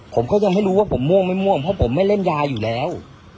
ผมก็ยังไม่รู้ว่าผมม่วงไม่ม่วงเพราะผมไม่เล่นยาอยู่แล้ว